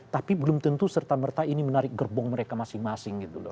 tapi belum tentu serta merta ini menarik gerbong mereka masing masing gitu loh